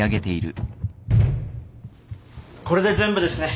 これで全部ですね。